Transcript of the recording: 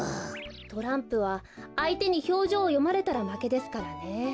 トランプはあいてにひょうじょうをよまれたらまけですからね。